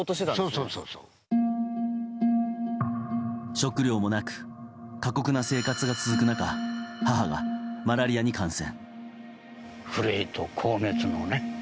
食料もなく過酷な生活が続く中母がマラリアに感染。